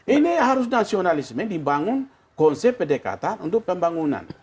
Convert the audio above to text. ini harus nasionalisme dibangun konsep pedekatan untuk pembangunan